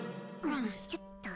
よいしょっと。